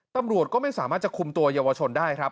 ตำรวจก็ไม่สามารถจะคุมตัวเยาวชนได้ครับ